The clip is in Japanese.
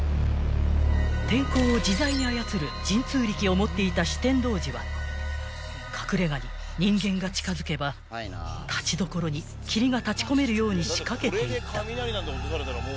［天候を自在に操る神通力を持っていた酒呑童子は隠れ家に人間が近づけばたちどころに霧が立ち込めるように仕掛けていた］